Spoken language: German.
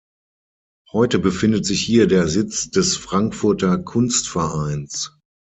Heute befindet sich hier der Sitz des Frankfurter Kunstvereins.